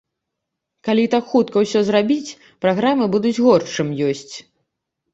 Калі так хутка ўсё зрабіць, праграмы будуць горш, чым ёсць.